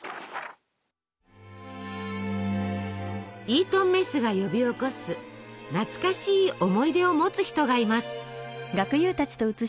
イートンメスが呼び起こす懐かしい思い出を持つ人がいます。